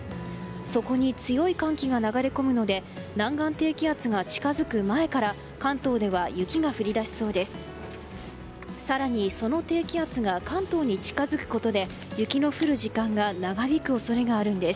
そこに強い寒気が流れ込むので南岸低気圧が近づく前から関東では雪が降り出しそうです。